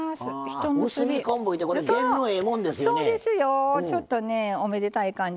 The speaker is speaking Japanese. ちょっとねおめでたい感じしますよね。